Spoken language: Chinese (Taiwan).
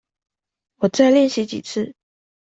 我再練習幾次